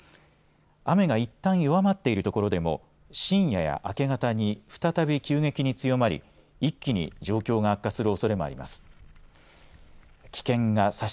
雨がいったん弱まっている所でも深夜や明け方に再び急激に強まり、一気に状況が悪化するおそれもあります。